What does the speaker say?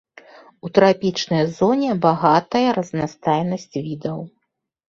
У трапічнай зоне багатая разнастайнасць відаў.